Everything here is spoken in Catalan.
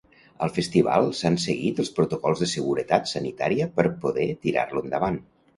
Al festival s'han seguit els protocols de seguretat sanitària per poder tirar-lo endavant.